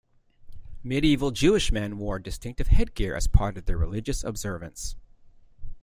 Medieval Jewish men wore distinctive headgear as part of their religious observance.